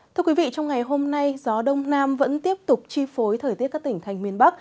thưa quý vị trong ngày hôm nay gió đông nam vẫn tiếp tục chi phối thời tiết các tỉnh thành miền bắc